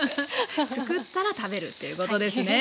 作ったら食べるっていうことですね。